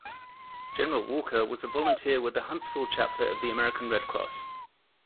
General Walker was a volunteer with the Huntsville Chapter of the American Red Cross.